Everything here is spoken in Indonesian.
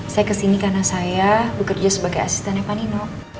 saya kesini karena saya bekerja sebagai asisten evanino